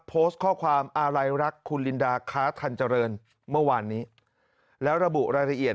โพสต์ข้อความอาลัยรักคุณลินดาค้าทันเจริญเมื่อวานนี้แล้วระบุรายละเอียด